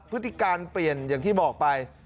พฤติการเปลี่ยนอย่างที่บอกไป